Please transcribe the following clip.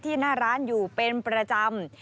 หน้าร้านอยู่เป็นประจำ